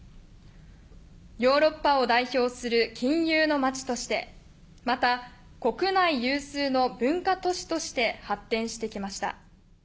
ヨーロッパを代表する金融の街としてまた国内有数の文化都市として発展してきました。